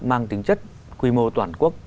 mang tính chất quy mô toàn quốc